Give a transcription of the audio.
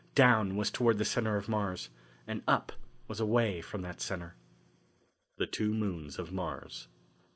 "Down" was toward the centre of Mars, and "up" was away from that centre. The Two Moons of Mars.